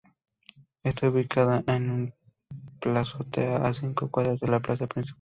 Está ubicada en una plazoleta a cinco cuadras de la plaza principal.